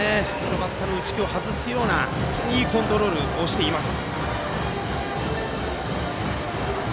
バッターの打ち気を外すようないいコントロールしています。